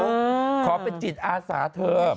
โอ๊ยเหรอขอเป็นจิตอาสาเธอ